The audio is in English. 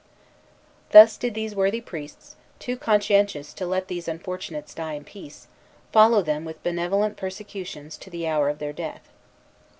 Thus did these worthy priests, too conscientious to let these unfortunates die in peace, follow them with benevolent persecutions to the hour of their death.